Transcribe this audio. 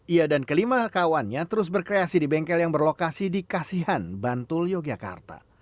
ia dan kelima kawannya terus berkreasi di bengkel yang berlokasi di kasihan bantul yogyakarta